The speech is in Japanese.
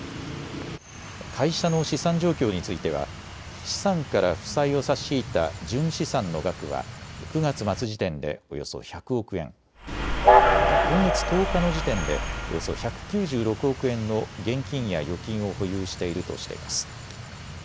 会社の資産状況については資産から負債を差し引いた純資産の額は９月末時点でおよそ１００億円、また今月１０日の時点でおよそ１９６億円の現金や預金を保有しているとしています。